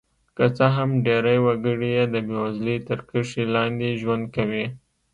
که څه هم ډېری وګړي یې د بېوزلۍ تر کرښې لاندې ژوند کوي.